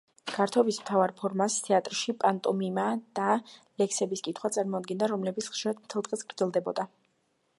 გართობის მთავარ ფორმას თეატრში პანტომიმა და ლექსების კითხვა წარმოადგენდა, რომლებიც ხშირად მთელ დღეს გრძელდებოდა.